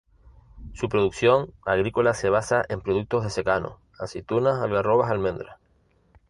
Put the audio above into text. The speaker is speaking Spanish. Su producción agrícola se basa en productos de secano: aceitunas, algarrobas, almendras.